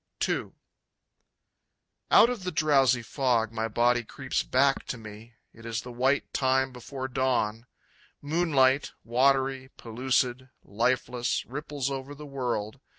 II. Out of the drowsy fog my body creeps back to me. It is the white time before dawn. Moonlight, watery, pellucid, lifeless, ripples over the world.